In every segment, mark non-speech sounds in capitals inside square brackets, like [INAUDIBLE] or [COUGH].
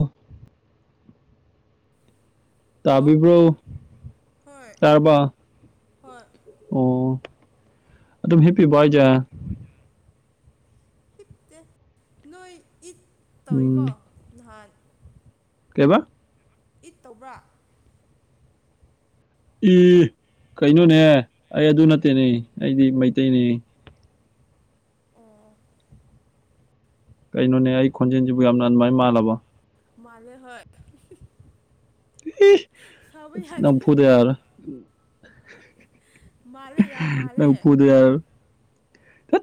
ꯑ ꯍꯜꯂꯣ ꯇꯕꯤꯕ꯭ꯔ ꯍꯣꯏ ꯇꯕꯥ ꯍꯣꯏ ꯑꯣ ꯑꯗꯨꯝ ꯍꯦꯄꯤ ꯏꯖ ꯅꯣꯏ ꯏꯠ ꯇꯧꯋꯏ ꯀꯣ ꯂꯍꯥꯟ ꯀꯕ ꯏꯠ ꯇꯧꯕ꯭ꯔꯥ ꯏ ꯀꯩꯅꯣꯅꯦ ꯑꯩ ꯑꯗꯨ ꯅꯠꯇꯦꯅꯦ ꯑꯩꯗꯤ ꯃꯩꯇꯩꯅꯦ ꯑꯣ ꯀꯩꯅꯣꯅꯦ ꯑꯩ ꯈꯣꯟꯖꯦꯜꯁꯤꯕꯨ ꯌꯥꯝꯅ ꯑꯗꯨꯃꯥꯏ ꯃꯥꯜꯂꯕ ꯃꯥꯂꯦ ꯍ ꯅꯝꯐꯨꯗꯦꯔ ꯃꯥꯜꯂꯦ ꯌꯥꯝ ꯅ ꯃꯥꯜꯂꯦ ꯐꯨꯗꯔ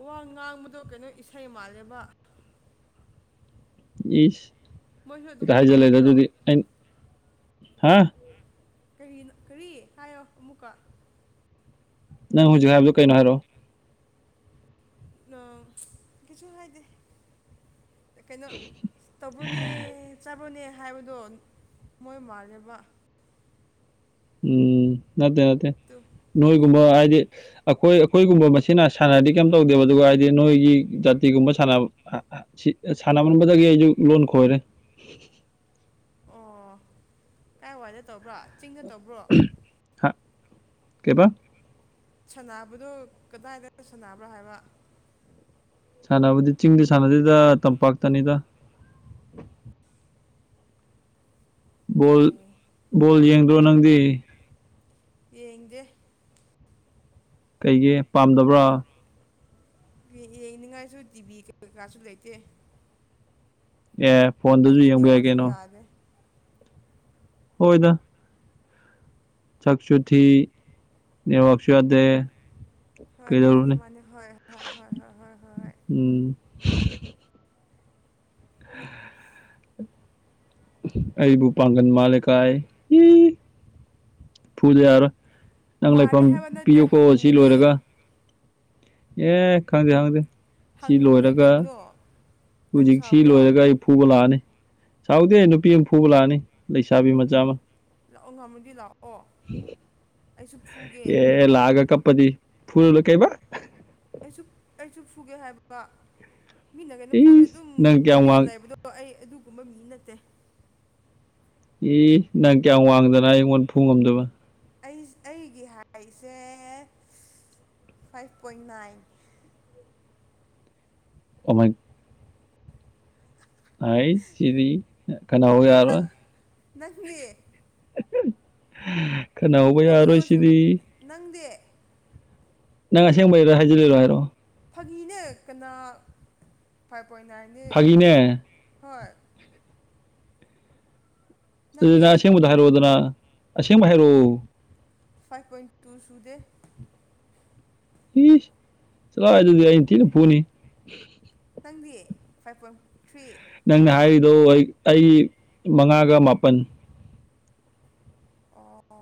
ꯋꯥ ꯉꯥꯡꯕꯗꯣ ꯀꯩꯅꯣ ꯏꯁꯩ ꯃꯥꯜꯂꯦꯕ ꯏ ꯃꯣꯏꯁꯨ ꯑꯗꯨꯝ ꯔ ꯍꯥꯏꯖ ꯇꯧꯕ ꯂꯩꯗ ꯅꯠꯇ꯭ꯔꯣ ꯑꯗꯨꯗꯤ ꯑ ꯍꯥ ꯀꯔꯤꯅ ꯀꯔꯤ ꯍꯥꯏꯣ ꯑꯃꯃꯨꯀꯥ ꯅꯪ ꯍꯧꯖꯤꯛ ꯍꯥꯏꯕꯗꯨꯣ ꯀꯩꯅꯣ ꯍꯥꯏꯔꯣ ꯑ ꯀꯆꯨ ꯍꯥꯏꯗꯤ ꯀꯩꯅꯣ ꯇꯧꯕ꯭ꯔꯣꯅꯦ ꯆꯥꯕ꯭ꯔꯣꯅꯦ ꯍꯥꯏꯕꯗꯣ ꯃꯣꯏ ꯃꯥꯜꯂꯦꯕ ꯎꯝ ꯅꯠꯇꯦ ꯅꯠꯇꯦ ꯑꯗꯨ ꯅꯣꯏꯣꯏ ꯀꯨꯝꯕ ꯍꯥꯏꯗꯤ ꯑꯩꯈꯣꯏ ꯑꯩꯈꯣꯏꯒꯨꯝꯕ ꯃꯁꯤꯅ ꯁꯥꯟꯅꯗꯤ ꯀꯩꯝ ꯇꯧꯗꯦꯕ ꯑꯗꯨꯒ ꯍꯥꯏꯗꯤ ꯅꯣꯏꯒꯤ ꯖꯥꯇꯤꯒꯨꯝꯕ ꯁꯥꯟꯅꯕ ꯁꯥꯟꯅꯃꯝꯕꯗꯒꯤ ꯑꯩꯁꯨ ꯂꯣꯟ ꯈꯣꯏꯔꯦ ꯑꯣ ꯀꯥꯏ ꯋꯥꯏꯗ ꯇꯧꯕ꯭ꯔꯣ ꯆꯤꯡꯅ ꯇꯧꯕ꯭ꯔꯣ ꯀꯕꯥ ꯁꯥꯟꯅꯕꯗꯨꯣ ꯀꯗꯥꯏꯗꯅ ꯁꯥꯟꯅꯕ꯭ꯔꯣ ꯍꯥꯏꯕ ꯁꯥꯟꯅꯕꯗꯤ ꯆꯤꯡꯗꯤ ꯁꯥꯟꯅꯗꯦꯗ ꯇꯝꯄꯥꯛꯇꯅꯤꯗ ꯕꯣꯜ ꯑꯣꯀꯦ ꯕꯣꯜ ꯌꯦꯡꯗ꯭ꯔꯣ ꯅꯪꯗꯤ ꯌꯦꯡꯗꯦ ꯀꯩꯒꯤꯦ ꯄꯥꯝꯗꯕ꯭ꯔꯥ ꯌꯦꯡꯅꯤꯡꯉꯥꯏꯁꯨ ꯇꯤꯚ ꯀꯩ ꯀꯩꯀꯥꯁꯨ ꯂꯩꯇꯦ ꯑꯦ ꯐꯣꯟꯗꯁꯨ ꯑꯩꯒꯤ ꯌꯦꯡꯕꯤꯔ ꯅꯦꯠꯋꯥꯛꯁꯨ ꯀꯦꯩꯅꯣ ꯌꯥꯗꯦ ꯍꯣꯏꯗ ꯁꯛꯁꯨ ꯊꯤ ꯅꯦꯠꯋꯥꯛꯁꯨ ꯌꯥꯗꯦ ꯍꯣꯏ ꯃꯥꯅꯤ ꯀꯩꯗꯧꯔꯨꯅꯤ ꯃꯥꯅꯤ ꯍꯣꯏ ꯍꯣꯏ ꯍꯣꯏ ꯍꯣꯏ ꯍꯣꯏ ꯍꯣꯏ ꯍꯣꯏ [UNINTELLIGIBLE] ꯃꯤ ꯑꯩꯕꯨ ꯄꯥꯡꯒꯟ ꯃꯥꯜꯂꯦꯀꯥꯏ ꯐꯨꯗ ꯌꯥꯔ ꯅꯪ ꯃꯥꯜꯂꯦ ꯂꯩꯐꯝ ꯍꯥꯏꯕ ꯅꯠꯇ꯭ꯔꯦ ꯄꯤꯌꯨꯀꯣ ꯁꯤ ꯍꯪꯕꯅꯦ ꯂꯣꯏꯔꯒ ꯑꯦ ꯈꯪꯗꯦ ꯈꯪꯗꯦ ꯁꯤ ꯍꯪꯕꯅꯦ ꯂꯣꯏꯔꯒ ꯀꯩꯅꯣ ꯅꯪ ꯍꯧꯖꯤꯛ ꯁꯤ ꯁꯥꯕ꯭ꯔꯣ ꯂꯣꯏꯔꯒ ꯑꯩ ꯐꯨꯕ ꯂꯥꯛꯑꯅꯤ ꯁꯥꯎꯗꯦ ꯑꯩ ꯅꯨꯄꯤ ꯑꯃ ꯐꯨꯕ ꯂꯥꯛꯑꯅꯤ ꯂꯩꯁꯥꯕꯤ ꯃꯆꯥ ꯑꯃ ꯂꯥꯛꯑꯣ ꯉꯝꯃꯗꯤ ꯂꯥꯛꯑꯣ ꯑꯩꯁꯨ ꯐꯨꯒꯦ ꯑꯦ ꯂꯒ ꯀꯄꯗꯤ ꯐꯨꯂ ꯀꯩꯕ ꯑꯩꯁꯨ ꯑꯩꯁꯨ ꯐꯨꯒꯦ ꯍꯥꯏꯕꯒ ꯃꯤꯅ ꯀꯩꯅ ꯐꯨꯔꯠꯇꯨ ꯏꯁ ꯑꯗꯨꯝ ꯅꯪ ꯀꯌꯥꯝ ꯇꯨꯃꯤꯟꯅ ꯋꯥꯡ ꯂꯩꯕꯗꯣ ꯑꯩ ꯑꯗꯨꯒꯨꯝꯕ ꯃꯤ ꯅꯠꯇꯦ ꯏ ꯅꯪ ꯀꯌꯥꯝ ꯋꯥꯡꯗꯅ ꯑꯩꯉꯣꯟꯗ ꯐꯨ ꯉꯝꯗꯕ ꯑꯩ ꯑꯩꯒꯤ ꯍꯥꯏꯁꯦ ꯐꯥꯏꯚ ꯄꯣꯏꯟ ꯅꯥꯏꯟ ꯀꯃꯥꯏ ꯑꯩ ꯁꯤꯗꯤ ꯀꯅꯥꯧ ꯅꯪ ꯌꯥꯔꯣꯏ ꯅꯪꯗꯤ ꯀꯅꯥ ꯍꯧꯕ ꯅꯣꯛꯀꯅꯨ ꯌꯥꯔꯔꯣꯏ ꯁꯤꯗꯤ ꯑꯁꯦꯡꯕ ꯅꯪꯗꯤ ꯅꯪ ꯑꯁꯦꯡꯕꯩꯔꯣ ꯍꯥꯏꯖꯤꯜꯂꯤꯔꯣ ꯍꯥꯏꯔꯣ ꯐꯥꯒꯤꯅꯦ ꯀꯅꯥ ꯐꯥꯏꯚ ꯄꯣꯏꯟ ꯅꯥꯏꯟꯅꯦ ꯐꯥꯒꯤꯅꯦ ꯍꯣꯏ ꯑꯗꯨꯅ ꯅꯪꯗꯤ ꯑꯁꯦꯡꯕꯗ ꯍꯥꯏꯔꯛꯑꯣ ꯑꯗꯨꯅ ꯑꯁꯦꯡꯕ ꯍꯥꯏꯔꯛꯑꯣ ꯐꯥꯏꯚ ꯄꯣꯏꯟ ꯇꯨ ꯁꯨꯗꯦ ꯏ ꯆꯂ ꯑꯗꯨꯗꯤ ꯑ ꯊꯤꯅ ꯐꯅꯤ ꯅꯪꯗꯤ ꯐꯥꯏꯚ ꯄꯣꯏꯟ ꯊ꯭ꯔꯤ ꯅꯪꯅ ꯍꯥꯏꯔꯤꯗꯣ ꯑꯩ ꯃꯉꯥꯒ ꯃꯥꯄꯟ ꯑꯣ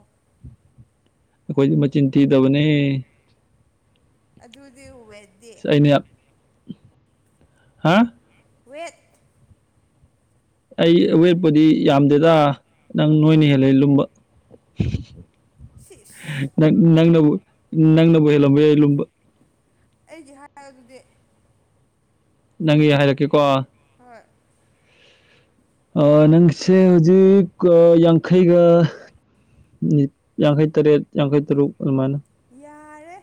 ꯑꯩꯈꯣꯏꯗꯤ ꯃꯆꯤꯟ ꯊꯤꯗꯕꯅꯤ ꯑꯗꯨꯗꯤꯦ ꯁꯤ ꯑꯅꯦ ꯍꯥ ꯎꯆꯋꯦꯠ ꯑꯩ ꯑꯋꯦꯠꯄꯨꯗꯤ ꯌꯥꯝꯗꯦꯗ ꯅꯪ ꯅꯣꯏꯅ ꯍꯦꯜꯂ ꯂꯨꯝꯕ ꯁꯤꯁ ꯪ ꯅꯪꯅꯕꯨ ꯅꯪꯅꯕꯨ ꯍꯦꯜꯂꯝꯕ ꯌꯥ ꯂꯨꯝꯕ ꯑꯩꯒꯤ ꯍꯥꯏ ꯑꯗꯨꯗꯤ ꯅꯪꯒꯤ ꯍꯥꯏꯔꯛꯀꯦꯀꯣ ꯍꯣꯏ ꯅꯪꯁꯦ ꯍꯧꯖꯤꯛ ꯌꯥꯡꯈꯩꯒ ꯌꯥꯡꯈꯩ ꯇꯔꯦꯠ ꯌꯥꯡꯈꯩ ꯇꯔꯨꯛ ꯑꯗꯨꯃꯅ ꯌꯥꯔꯦ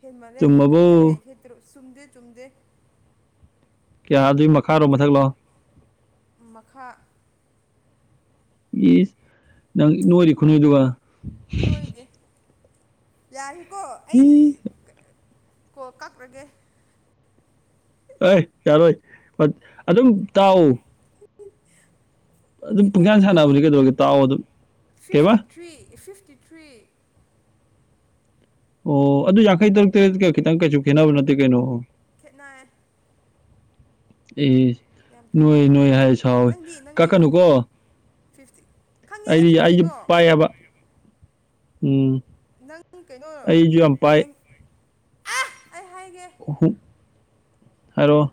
ꯍꯃꯂꯦ ꯌꯦꯡꯈꯩ ꯇꯔꯦ ꯆꯨꯝꯃꯕꯣ ꯍꯗꯣ ꯆꯨꯝꯗꯦ ꯆꯨꯝꯗꯦ ꯀꯌꯥ ꯑꯗꯨꯒꯤ ꯃꯈꯥꯔꯣꯝ ꯃꯊꯛ ꯂꯥꯛꯑꯣ ꯃꯈꯥ ꯌꯦꯁ ꯅꯪ ꯅꯣꯏꯗꯤ ꯈꯨꯅꯨꯏꯗꯨ ꯅꯣꯏꯅꯦ ꯌꯥꯔꯤꯀꯣ ꯑꯩ ꯏ ꯀꯣ ꯀꯛꯂꯒꯦ ꯑꯦ ꯌꯥꯔꯣꯏ ꯑꯗꯨꯝ ꯇꯥꯛꯎ ꯐꯥꯒꯤ ꯇꯧꯕꯅꯦ ꯑꯗꯨꯝꯨꯡꯒ꯭ꯌꯥꯟ ꯀꯩꯅꯣ ꯁꯥꯟꯅꯕꯅꯤ ꯀꯩꯗꯧꯔꯒꯦ ꯇꯥꯛꯑꯣ ꯑꯗꯨꯝ ꯀꯩꯕꯥ ꯐꯤꯐꯇꯤ ꯊ꯭ꯔꯤ ꯐꯤꯐꯇꯤ ꯊ꯭ꯔꯤ ꯑꯣ ꯑꯗꯨ ꯌꯥꯡꯈꯩ ꯇꯔꯨꯛ ꯇꯔꯦ ꯀ ꯈꯤꯇꯪ ꯀꯩꯁꯨ ꯈꯦꯠꯅꯕ ꯅꯠꯇꯦ ꯀꯩꯅꯣ ꯅꯥ ꯑꯦ ꯅꯣꯏ ꯈꯦꯠꯅꯩ ꯅꯣꯏ ꯍꯥꯏ ꯁꯥꯎꯋꯦ ꯅꯪꯗꯤ ꯅꯪꯗꯤ ꯀꯛꯀꯅꯨꯀꯣ ꯐꯤꯐꯇꯤ ꯈꯪꯉꯦ ꯑꯩꯗꯤ ꯑꯩꯁꯨ ꯑꯩꯗꯤ ꯀꯩꯅꯣ ꯄꯥꯏꯑꯕ ꯎꯝ ꯅꯪ ꯀꯩꯅꯣ ꯑꯩꯁꯨ ꯌꯥꯝ ꯄꯥꯏ ꯌꯦ ꯎꯍꯨꯝ ꯑꯣ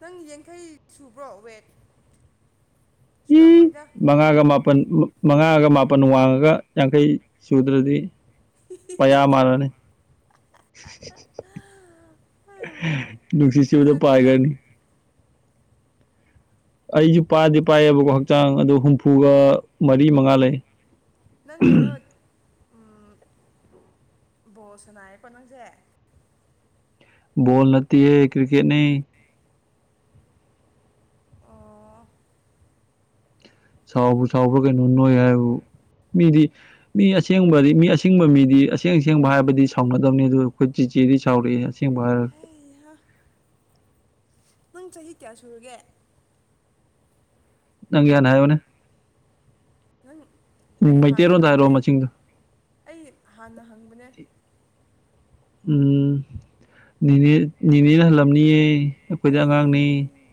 ꯅꯪ ꯌꯥꯡꯈꯩ ꯁꯨꯕ꯭ꯔꯣ ꯋꯦꯠ ꯁꯨꯔꯝꯃꯣꯏꯗ ꯄꯟ ꯃꯉꯥꯒ ꯃꯥꯄꯟ ꯋꯥꯡꯉꯒ ꯌꯥꯡꯈꯩ ꯁꯨꯗ꯭ꯔꯗꯤ ꯄꯩꯌꯥ ꯃꯥꯜꯂꯥꯅꯤ ꯅꯨꯡꯁꯤꯠ ꯁꯤꯠꯄꯗ ꯊꯥꯖꯗꯦꯗ ꯄꯥꯏꯒꯔꯅꯤ ꯑꯩꯁꯨ ꯄꯥꯗꯤ ꯄꯥꯏꯌꯦꯕꯀꯣ ꯍꯛꯆꯥꯡ ꯑꯗꯨ ꯍꯨꯝꯐꯨꯒ ꯃꯔꯤ ꯃꯉꯥ ꯂꯩ ꯅꯪ ꯀꯩꯅꯣ ꯎꯝ ꯕꯣꯜ ꯁꯅꯥꯌꯦꯀꯣ ꯅꯪꯁꯦ ꯕꯣꯜ ꯅꯠꯇꯤꯌꯦ ꯀꯔꯤꯀꯦꯠꯅꯦ ꯑꯣ ꯁꯥꯎꯕꯨ ꯁꯥꯎꯕ꯭ꯔ ꯀꯩꯅꯣ ꯅꯣꯏ ꯍꯥꯏꯕꯕꯨ ꯃꯤꯗꯤ ꯃꯤ ꯑꯁꯦꯡꯕꯗꯤ ꯃꯤ ꯑꯁꯤꯡꯕ ꯃꯤꯗꯤ ꯑꯁꯦꯡ ꯑꯁꯦꯡꯕ ꯍꯥꯏꯕꯗꯤ ꯁꯥꯎꯅꯗꯕꯥꯅꯤ ꯑꯗꯨ ꯑꯩꯈꯣꯏ ꯆꯤꯆꯦꯗꯤ ꯆꯥꯎꯔꯤ ꯑꯁꯦꯡꯕ ꯍꯥꯏꯔꯒꯥ ꯍꯩꯍꯥ ꯅꯪ ꯆꯍꯤ ꯀꯌꯥ ꯁꯨꯔꯒꯦ ꯅꯪꯒꯤ ꯍꯥꯟꯅꯥ ꯍꯥꯏꯔꯛꯑꯣꯅꯦ ꯅꯪ ꯑꯩ ꯍꯥꯟꯅ ꯃꯩꯇꯩꯔꯣꯟꯗ ꯍꯥꯏꯔꯛꯑꯣ ꯍꯪꯕꯅꯦ ꯃꯁꯤꯡꯗꯣ ꯑꯩ ꯍꯥꯟꯅ ꯍꯪꯕꯅꯦ ꯎꯝ ꯅꯦꯅꯦ ꯅꯦꯅꯦꯅꯥ ꯍꯜꯂꯝꯅꯤꯌꯦ ꯑꯩꯈꯣꯏꯗꯤ ꯑꯉꯥꯡꯅꯦ ꯑꯩ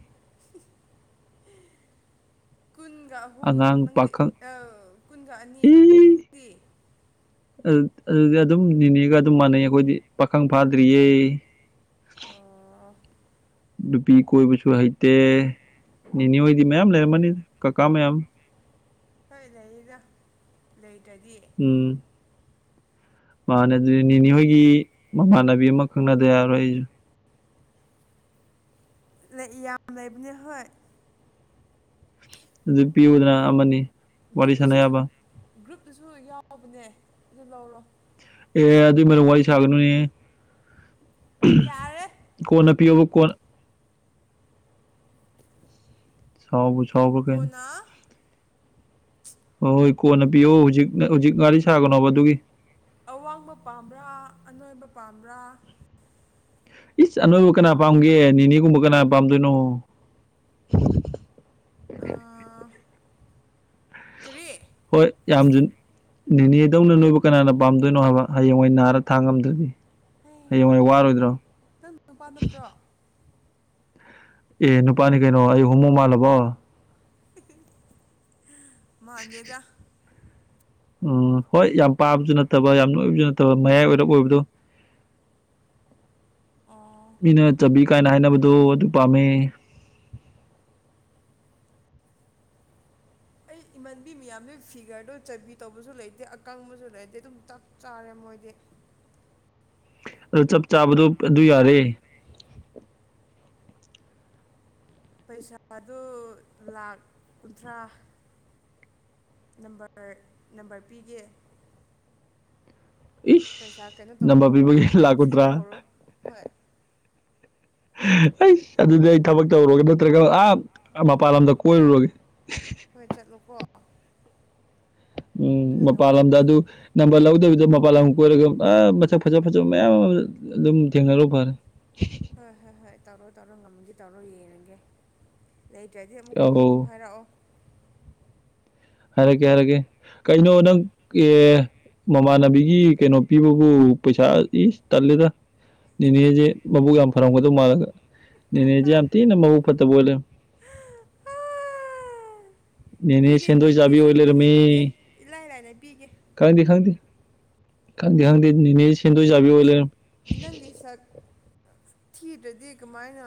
ꯀꯨꯟꯒ ꯑꯍꯨꯝ ꯑꯉꯥꯡ ꯅꯪꯗꯤ ꯄꯥꯈꯪ ꯑꯥ ꯀꯨꯟꯒ ꯑꯅꯤ ꯏ ꯅꯪꯗꯤ ꯑꯗꯨꯗꯤ ꯑꯗꯨꯝ ꯅꯤꯅꯦꯒ ꯑꯗꯨꯝ ꯃꯥꯟꯅꯩ ꯑꯩꯈꯣꯏꯗꯤ ꯄꯥꯈꯪ ꯐꯥꯗ꯭ꯔꯤꯌꯦ ꯑꯣ ꯅꯨꯄꯤ ꯀꯣꯏꯕꯁꯨ ꯍꯩꯇꯦ ꯅꯤꯅꯦ ꯍꯣꯏꯗꯤ ꯃꯌꯥꯝ ꯂꯩꯔꯝꯃꯅꯤ ꯀꯀꯥ ꯃꯌꯥꯝ ꯍꯣꯏ ꯂꯩꯔꯤꯗ ꯂꯩ ꯎꯝ ꯃꯅꯥꯗꯤ ꯅꯤꯅꯤ ꯍꯣꯏꯒꯤ ꯃꯃꯥꯟꯅꯕꯤ ꯑꯃ ꯈꯪꯅꯗ ꯌꯥꯔꯣꯏ ꯑꯩꯁꯨ ꯌꯥꯝ ꯂꯩꯕꯅꯦ ꯍꯣꯏ ꯑꯗꯨ ꯄꯤꯌꯨꯗꯅ ꯑꯃꯅꯤ ꯋꯥꯔꯤ ꯁꯥꯟꯅ ꯒ꯭ꯔꯨꯞꯇꯨꯁꯨ ꯌꯥꯕ ꯒ꯭ꯔꯨꯞꯇꯨꯁꯨ ꯌꯥꯎꯕꯅꯦ ꯑꯗꯨ ꯂꯧꯔꯣ ꯑꯦ ꯑꯗꯨ ꯃꯔꯨ ꯋꯥꯔꯤ ꯁꯥꯕꯅꯣꯏ ꯌꯥꯔꯦ ꯀꯣꯟꯅ ꯄꯤꯌꯣꯕꯨ ꯀꯣꯟꯅꯥ ꯁꯥꯎꯕꯨ ꯁꯥꯎꯕꯔꯥ ꯀꯩꯅꯣ ꯀꯣꯟꯅ ꯍꯣꯏ ꯀꯣꯟꯅ ꯄꯤꯌꯣ ꯍꯧꯖꯤꯛ ꯍꯧꯖꯤꯛ ꯉꯥꯔꯤ ꯁꯥꯒꯅꯣꯕ ꯑꯗꯨꯒꯤ ꯑꯋꯥꯡꯕ ꯄꯥꯝꯕ꯭ꯔꯥ ꯑꯅꯣꯏꯕ ꯄꯥꯝꯕ꯭ꯔꯥ ꯏꯁ ꯑꯥꯅꯣꯏꯕꯨ ꯀꯅꯥ ꯄꯥꯝꯒꯦ ꯅꯤꯅꯦꯒꯨꯝꯕ ꯀꯅꯥ ꯄꯥꯝꯗꯣꯏꯅꯣ ꯑ ꯀꯔꯤ ꯍꯣꯏ ꯌꯥꯝꯖꯨꯟ ꯅꯦꯅꯦꯗꯧꯅ ꯅꯣꯏꯕꯨ ꯀꯅꯥꯅ ꯄꯥꯝꯗꯣꯏꯅꯣ ꯍꯥꯏꯕ ꯍꯌꯦꯡꯋꯥꯏ ꯅꯥꯔ ꯊꯥꯡꯉꯝꯗ꯭ꯔꯗꯤ ꯍꯌꯦꯡ ꯋꯥꯔꯣꯏꯗ꯭ꯔꯣ ꯅꯪ ꯅꯨꯄꯥ ꯅꯠꯇ꯭ꯔꯣ ꯑꯦ ꯅꯨꯄꯥꯅꯤ ꯀꯩꯅꯣ ꯑꯩ ꯍꯨꯝꯃꯣ ꯃꯥꯜꯂꯕꯣ ꯃꯥꯟꯗꯦꯗ ꯎꯝ ꯍꯣꯏ ꯌꯥꯝ ꯄꯥꯕꯁꯨ ꯅꯠꯇꯕ ꯌꯥꯝ ꯅꯣꯏꯕꯁꯨ ꯅꯠꯇꯕ ꯃꯌꯥꯏ ꯑꯣꯏꯔꯞ ꯑꯣꯏꯕꯗꯣ ꯑꯣ [INAUDIBLE] ꯃꯤꯅ ꯆꯕꯤ ꯀꯥꯏꯅ ꯍꯥꯏꯅꯕꯗꯣ ꯑꯗꯨ ꯄꯥꯝꯃꯦ [INAUDIBLE] ꯏꯃꯟꯕꯤ ꯃꯌꯥꯝꯗꯤ ꯐꯤꯒꯔꯗꯣ ꯆꯕꯤ ꯇꯧꯕꯁꯨ ꯂꯩꯇꯦ ꯑꯀꯪꯕꯁꯨ ꯂꯩꯇꯦ ꯑꯗꯨꯝ ꯆꯞ ꯆꯥꯔꯦ ꯃꯣꯏꯗꯤ [INAUDIBLE] ꯑꯗꯨ ꯆꯞ ꯆꯥꯕꯗꯣ ꯑꯗꯨ ꯌꯥꯔꯦ ꯄꯩꯁꯥꯗꯨ ꯂꯥꯛ ꯀꯨꯟꯊ꯭ꯔꯥ ꯅꯝꯕꯔ ꯅꯝꯕꯔ ꯄꯤꯒꯦ ꯄꯩꯁꯥ ꯀꯩꯅꯣ ꯏꯁ ꯇꯧꯕ ꯅꯝꯕꯔ ꯍꯧꯔꯣ ꯄꯤꯕꯒꯤ ꯂꯥꯛ ꯀꯨꯟꯊ꯭ꯔꯥ ꯊꯤꯕ ꯍꯧꯔꯣ ꯍꯣꯏ ꯑꯩꯁ ꯑꯗꯨꯗꯤ ꯑꯩ ꯊꯕꯛ ꯇꯧꯔꯨꯔꯒꯦ ꯅꯠꯇ꯭ꯔꯒ ꯑ ꯃꯄꯥꯟ ꯂꯝꯗ ꯀꯣꯏꯔꯨꯔꯒꯦ ꯍꯣꯏ ꯆꯠꯂꯨꯀꯣ ꯑꯗꯨꯅ ꯎꯝ ꯃꯄꯥꯜ ꯂꯝꯗ ꯅꯨꯡꯉꯥꯏꯕꯅꯦ ꯑꯗꯨ ꯅꯝꯕꯔ ꯂꯧꯗꯕꯤ ꯃꯄꯥꯜ ꯂꯝ ꯀꯣꯏꯔꯒ ꯑ ꯃꯁꯛ ꯐꯖ ꯐꯖꯕ ꯃꯌꯥꯝ ꯑꯃ ꯑꯗꯨꯝ ꯊꯦꯡꯅꯔꯨ ꯐꯔꯦ ꯍꯣꯏ ꯍꯣꯏ ꯍꯣꯏ ꯇꯧꯔꯣ ꯇꯧꯔꯣ ꯉꯝꯃꯗꯤ ꯇꯧꯔꯣ ꯌꯦꯡꯉꯒꯦ ꯂꯩꯇ꯭ꯔꯗꯤ ꯑꯃꯨꯛ ꯀꯧꯔꯛꯑꯣ ꯑꯧ ꯑꯗꯨꯝ ꯍꯥꯏꯔꯛꯑꯣ ꯍꯥꯏꯔꯛꯀꯦ ꯍꯥꯏꯔꯛꯀꯦ ꯀꯩꯅꯣ ꯅꯪ ꯍꯣꯏ ꯑꯦ ꯃꯃꯥꯟꯅꯕꯤꯒꯤ ꯀꯩꯅꯣ ꯄꯤꯕꯕꯨ ꯄꯩꯁꯥ ꯏꯁ ꯇꯜꯂꯦꯗ ꯅꯦꯅꯦꯖꯦ ꯃꯕꯨꯛ ꯌꯥꯝ ꯐꯔꯝꯒꯗꯧ ꯃꯥꯜꯂꯒ ꯅꯦꯅꯦꯖꯦ ꯌꯥꯝ ꯊꯤꯅ ꯃꯕꯨꯛ ꯐꯠꯇꯕ ꯑꯣꯏ ꯂꯩꯔꯝꯃꯦ ꯅꯦꯅꯦ ꯄꯤꯒꯦ ꯁꯦꯟꯗꯣꯏ ꯄꯤꯒꯦ ꯆꯥꯕꯤ ꯁꯦ ꯑꯣꯏ ꯄꯤꯒꯦ ꯂꯩꯔꯝꯃꯦ ꯄꯤꯒꯦ ꯏꯂꯥꯏ ꯂꯥꯏꯅ ꯄꯤꯒꯦ ꯈꯪꯗꯦ ꯈꯪꯗꯦ ꯈꯪꯗꯦ ꯈꯪꯗꯦ ꯅꯦꯅꯦꯖꯦ ꯁꯦꯟꯗꯣꯏ ꯆꯥꯕꯤ ꯑꯣꯏ ꯂꯩꯔꯝꯃꯦ ꯅꯪꯒꯤ ꯁꯛ ꯊꯤꯗ꯭ꯔꯗꯤ ꯀꯃꯥꯏꯅ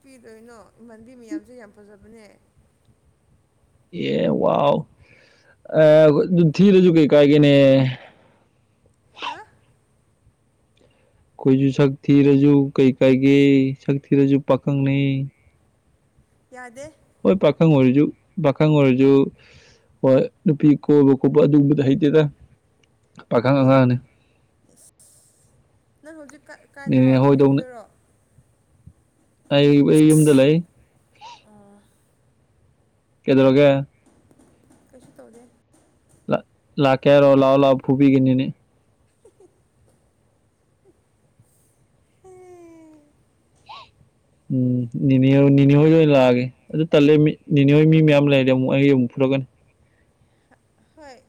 ꯄꯤꯗꯣꯏꯅꯣ ꯏꯃꯥꯟꯅꯕꯤ ꯃꯌꯥꯝꯁꯦ ꯌꯥꯝ ꯐꯖꯕꯅꯦ ꯑꯦ ꯋꯥꯎ ꯑ ꯊꯤꯔꯖꯨ ꯀꯩ ꯀꯥꯏꯒꯦꯅꯦ ꯍꯥ ꯑꯩꯈꯣꯏꯁꯨ ꯁꯛ ꯊꯤꯔꯁꯨ ꯀꯩ ꯀꯥꯏꯒꯦ ꯁꯛ ꯊꯤꯔꯁꯨ ꯄꯥꯈꯪꯅꯦ ꯌꯥꯗꯦ ꯍꯣꯏ ꯄꯥꯈꯪ ꯑꯣꯏꯔꯁꯨ ꯄꯥꯈꯪ ꯑꯣꯏꯔꯖꯨ ꯍꯣꯏ ꯅꯨꯄꯤ ꯀꯣꯏꯕ ꯈꯣꯠꯄ ꯑꯗꯨꯒꯨꯝꯕꯗꯤ ꯍꯩꯇꯦꯗ ꯄꯥꯈꯪ ꯍꯩ ꯑꯉꯥꯡꯅꯦ ꯑꯁ ꯅꯪ ꯍꯧꯖꯤꯛ ꯀꯥꯏꯗꯔꯣ ꯌꯨꯝꯗꯔꯣ ꯑꯩ ꯌꯨꯝꯗ ꯂꯩ ꯑꯣ ꯀꯩꯗꯧꯔꯒꯦ ꯀꯩꯁꯨ ꯇꯧꯗꯦ ꯂꯥꯛꯀꯦ ꯍꯥꯏꯔꯣ ꯂꯥꯛꯑꯣ ꯂꯥꯛꯑꯣ ꯐꯨꯕꯤꯒꯦ ꯅꯦꯅꯦ ꯎꯝ ꯅꯦꯅꯦꯅꯦ ꯍꯣꯏꯗ ꯑꯣꯏꯅ ꯂꯥꯛꯑꯒꯦ ꯑꯗꯨ ꯇꯜꯂꯦ ꯃꯤ ꯅꯤꯅꯦ ꯍꯣꯏ ꯃꯤ ꯃꯌꯥꯝ ꯂꯩꯔꯦ ꯑꯃꯨꯛ ꯑꯩ ꯑꯃꯨꯛ ꯐꯨ [UNINTELLIGIBLE] ꯍꯣꯏ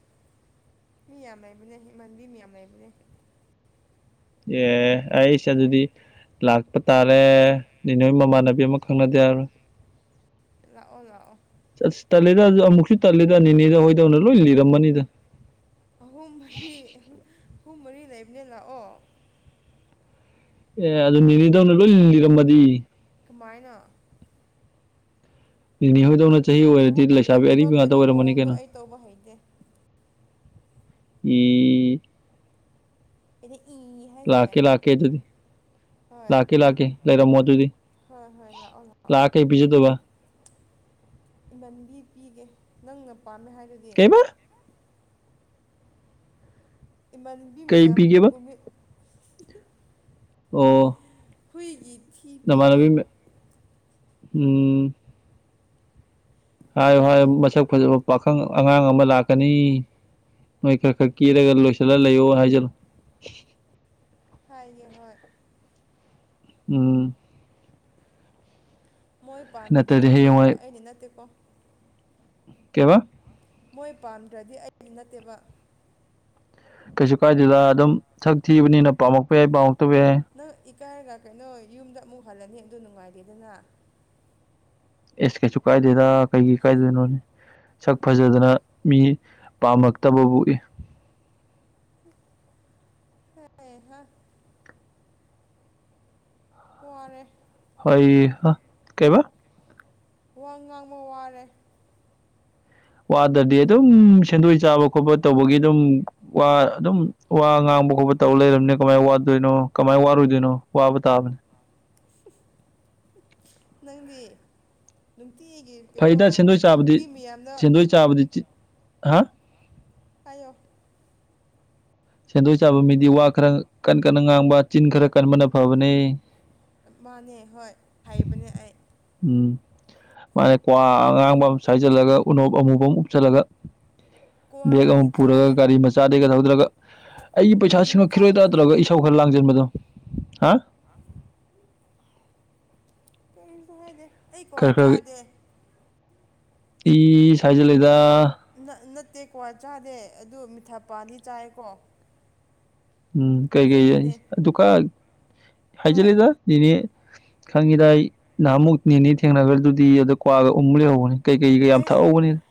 ꯃꯤ ꯌꯥꯝ ꯂꯩꯕꯅꯦ ꯏꯃꯥꯟꯅꯕꯤ ꯃꯌꯥꯝ ꯂꯩꯕꯅꯦ ꯑꯦ ꯑꯩꯁ ꯌꯥꯝ ꯑꯗꯨꯗꯤ ꯂꯥꯛ ꯄ ꯇꯥꯔꯦ ꯅꯦꯅꯦ ꯍꯣꯏ ꯃꯃꯥꯟꯅꯕꯤ ꯑꯃ ꯈꯪꯅꯗ ꯌꯥꯔꯣꯏ ꯂꯥꯛꯑꯣ ꯂꯥꯛꯑꯣ ꯑꯁ ꯇꯜꯂꯦꯗ ꯑꯃꯨꯛꯁꯨ ꯇꯜꯂꯦꯗ ꯅꯤꯅꯦꯗꯧ ꯍꯣꯏꯗꯧꯅ ꯂꯣꯏ ꯂꯤꯔꯝꯃꯅꯤꯗ ꯑꯍꯨꯝ ꯃꯔꯤ ꯑꯍꯨꯝ ꯃꯔꯤ ꯂꯩꯕꯅꯦ ꯂꯥꯛꯑꯣ ꯑꯦ ꯑꯗꯨ ꯅꯤꯅꯦꯗꯧꯅ ꯂꯣꯏ ꯂꯤꯔꯝꯃꯗꯤ ꯀꯃꯥꯏꯅ ꯅꯤꯅꯦ ꯍꯣꯏꯗꯧꯅ ꯆꯍꯤ ꯑꯣꯏꯔꯗꯤ ꯃꯕꯨꯛ ꯂꯩꯁꯥꯕꯤ ꯐꯠꯇꯕ ꯑꯔꯤꯕ ꯉꯥꯛꯇ ꯀꯩꯅꯣ ꯑꯣꯏꯔꯝꯃꯅꯤ ꯃꯑꯣꯡꯗꯣ ꯀꯩꯅꯣ ꯑꯩ ꯇꯧꯕ ꯍꯩꯇꯦ ꯢ [UNINTELLIGIBLE] ꯍꯥꯏꯁꯦ ꯂꯥꯛ ꯀꯦ ꯂꯥꯛꯀꯦ ꯑꯗꯨꯗꯤ ꯍꯣꯏ ꯂꯥꯛꯀꯦ ꯂꯥꯛꯀꯦ ꯂꯩꯔꯝꯃꯣ ꯑꯗꯨꯗꯤ ꯍꯣꯏ ꯍꯣꯏ ꯂꯥꯛꯑꯣ ꯂꯥꯛꯑꯣ ꯂꯥꯛꯑ ꯀꯩ ꯄꯤꯖꯗꯣꯏꯕ ꯏꯃꯥꯟꯅꯕꯤ ꯄꯤꯒꯦ ꯅꯪꯅ ꯄꯥꯝꯃꯦ ꯍꯥꯏꯗꯨꯗꯤ ꯀꯩꯕ ꯏꯃꯥꯟꯅꯕꯤ ꯀꯩ ꯃꯌꯥꯝ ꯄꯤꯒꯦꯕ ꯎꯕꯤ ꯑꯣ ꯍꯨꯏꯒꯤ ꯊꯤ ꯄꯤꯒꯦ ꯅꯃꯥꯟꯅꯕꯤ ꯃ- ꯎꯝ ꯍꯥꯏꯌꯨ ꯏꯃꯥꯟꯕꯤ ꯍꯥꯏꯌꯨ ꯃꯁꯛ ꯐꯖꯕ ꯄꯥꯈꯪ ꯑꯉꯥꯡ ꯑꯃ ꯂꯥꯛꯀꯅꯤ ꯅꯣꯏ ꯈꯔ ꯈꯔ ꯀꯦꯔꯒ ꯂꯣꯏꯁꯤꯜꯂꯒ ꯂꯩꯌꯣ ꯍꯥꯏꯖꯤꯜꯂꯣ ꯍꯥꯏꯒꯦ ꯍꯣꯏ ꯎꯝ ꯃꯣꯏ ꯄꯥꯝꯗꯗꯤ ꯅꯠꯇ꯭ꯔꯗꯤ ꯈꯪꯗꯦꯀꯣ ꯍꯌꯦꯡꯋꯥꯏ ꯑꯩꯗꯤ ꯅꯠꯇꯦꯀꯣ ꯀꯕ ꯃꯣꯏ ꯄꯥꯝꯗ꯭ꯔꯗꯤ ꯑꯩꯁꯨ ꯅꯠꯇꯦꯕ ꯀꯩꯁꯨ ꯀꯥꯏꯗꯗ ꯑꯗꯨꯝ ꯁꯛ ꯊꯤꯕꯅꯤꯅ ꯄꯥꯝꯃꯛꯄ ꯌꯥꯏ ꯄꯥꯝꯃꯛꯇꯕ ꯌꯥꯏ ꯏ ꯀꯥꯏꯔꯒ ꯀꯩꯅꯣ ꯌꯨꯝꯗ ꯑꯃꯨꯛ ꯍꯜꯂꯅꯤ ꯑꯗꯨ ꯅꯨꯡꯉꯥꯏꯔꯦꯗꯅ ꯑꯦꯁ ꯀꯩꯁꯨ ꯀꯥꯏꯗꯦꯗ ꯀꯩꯒꯤ ꯀꯥꯏꯗꯣꯏꯅꯣꯅꯦ ꯁꯛ ꯐꯖꯗꯅ ꯃꯤ ꯄꯥꯝꯃꯛꯇꯕ ꯄ ꯎꯣꯛꯏ ꯍ ꯍꯥ ꯐꯔꯦ ꯍꯣꯏ ꯑ ꯀꯩꯕꯥ ꯋꯥ ꯉꯥꯡꯕ ꯋꯥꯔꯦ ꯋꯥꯗ꯭ꯔꯗꯤ ꯑꯗꯨꯝ ꯁꯦꯟꯗꯣꯏ ꯆꯥꯕ ꯈꯣꯠꯄ ꯇꯧꯕꯒꯤ ꯑꯗꯨꯝ ꯋꯥ ꯑꯗꯨꯝ ꯋꯥ ꯉꯥꯡ ꯈꯕ ꯈꯣꯠꯄ ꯇꯧꯔ ꯂꯩꯔꯕꯅꯤ ꯀꯃꯥꯏ ꯋꯥꯗꯣꯏꯅꯣ ꯀꯃꯥꯏ ꯋꯥꯔꯨꯗꯣꯏꯅꯣ ꯋꯥꯕ ꯇꯥꯕꯅꯤ ꯅꯪꯗꯤ ꯅꯨꯡꯇꯤꯒꯤ ꯀꯩꯅꯣ ꯐꯩꯗ ꯁꯦꯟꯗꯣꯏ ꯆꯥꯕꯗꯤ ꯅꯨꯄꯤ ꯃꯌꯥꯝꯗ ꯁꯦꯟꯗꯣꯏ ꯆꯥꯕꯗꯤ ꯍꯥ ꯍꯥꯏꯌꯣ ꯁꯦꯟꯗꯣꯏ ꯆꯥꯕ ꯃꯤꯗꯤ ꯋꯥ ꯈꯔ ꯀꯟ ꯀꯟꯅ ꯉꯥꯡꯕ ꯆꯤꯟ ꯈꯔ ꯀꯟꯅꯅ ꯐꯕꯅꯦ ꯃꯥꯅꯦ ꯍꯣꯏ ꯍꯩꯕꯅꯦ ꯑꯩ ꯎꯝ ꯃꯥꯅ ꯀ꯭ꯋꯥ ꯑꯉꯥꯡꯕ ꯑꯃ ꯁꯥꯏꯖꯤꯜꯂꯒ ꯎꯅꯣꯞ ꯑꯃꯨꯕ ꯑꯃ ꯎꯞꯁꯤꯜꯂꯒ ꯕꯦꯛ ꯀ꯭ꯋꯥꯗꯤ ꯑꯃ ꯆꯥꯗꯦ ꯄꯨꯔꯒ ꯒꯥꯔꯤ ꯃꯆꯥꯗꯒꯤꯒ ꯊꯧꯗ꯭ꯔꯒ ꯑꯩꯒꯤ ꯄꯩꯁꯥ ꯒꯥꯔꯤ ꯃꯆꯥꯁꯨ ꯁꯤꯡꯉꯛꯈꯤꯔꯣꯏꯗꯔ ꯂꯩꯇꯦ ꯅꯠꯇ꯭ꯔꯒ ꯏꯁꯥꯎ ꯈꯔ ꯂꯥꯡꯖꯔ ꯗꯣ ꯍꯥ ꯀꯩꯌꯦꯝꯇ ꯍꯥꯏꯗꯦ ꯑꯩ ꯀꯋꯥ ꯆꯥꯗꯦ ꯇꯤ ꯁꯍꯖ ꯂꯩꯗ ꯆꯠꯇꯦꯀꯣ ꯆꯥꯗꯦ ꯑꯗꯨ ꯃꯤꯊ ꯄꯗꯤ ꯆꯥꯏꯀꯣ ꯎꯝ ꯀꯩ ꯑꯁꯦꯡꯕꯅꯦ ꯀꯩ ꯑꯗꯨꯒ ꯍꯣꯏ ꯍꯥꯏꯖꯂꯦꯗ ꯅꯅꯦ ꯈꯪꯉꯤꯗ ꯑꯩ ꯅꯍꯥꯟꯃꯨꯛ ꯅꯤꯅꯤ ꯊꯦꯡꯅꯈ꯭ꯔꯗꯨꯗꯤ ꯑꯗꯣ ꯀ꯭ꯋꯥꯒ ꯎꯨꯝ ꯂꯩꯍꯧꯕꯅꯤ ꯀꯩꯀꯩꯀ ꯌꯥꯝ ꯑꯩ ꯊꯛꯍꯧꯕꯅꯤꯅ